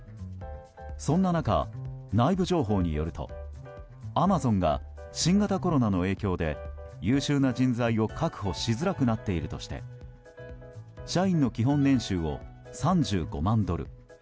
そんな中、内部情報によるとアマゾンが新型コロナの影響で優秀な人材を確保しづらくなっているとして社員の基本年収を３５万ドル